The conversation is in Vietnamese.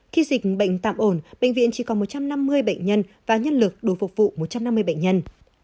khi dịch bệnh tạm ổn bệnh viện chỉ còn một trăm năm mươi bệnh nhân và nhân lực đối phục vụ một trăm năm mươi bệnh nhân